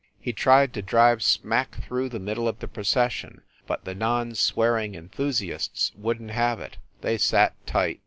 He tried to drive smack through the middle of the procession, but the non swearing enthusiasts wouldn t have it ; they sat tight.